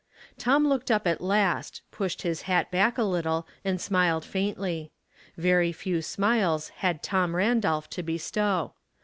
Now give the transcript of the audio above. Tom looked up at last, pushed his hat back a little and smiled faintly. Very few smiles had Tom Randolph to bestow.